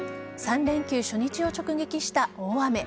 ３連休初日を直撃した大雨。